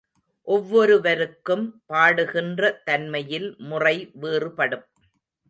ஒவ்வொருவருக்கும் பாடுகின்ற தன்மையில் முறை வேறுபடும்.